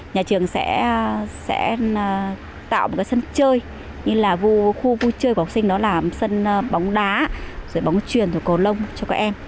nhà trường sẽ tạo một sân chơi như là khu vui chơi của học sinh đó là sân bóng đá bóng truyền cồn lông cho các em